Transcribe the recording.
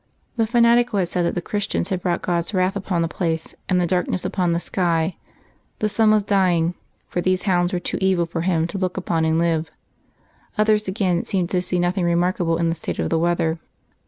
The fanatical said that the Christians had brought God's wrath upon the place, and the darkness upon the sky: the sun was dying, for these hounds were too evil for him to look upon and live. Others again seemed to see nothing remarkable in the state of the weather....